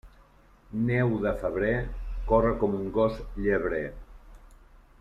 Neu de febrer, corre com un gos llebrer.